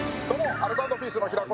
アルコ＆ピースの平子と。